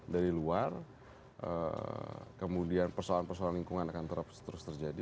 dari luar kemudian persoalan persoalan lingkungan akan terus terjadi